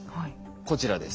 こちらです。